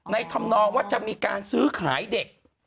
ธรรมนองว่าจะมีการซื้อขายเด็ก